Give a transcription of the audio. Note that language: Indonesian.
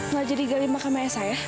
gak jadi gali makamnya saya